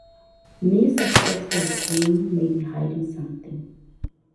Mi suspects that Jeanne may be hiding something.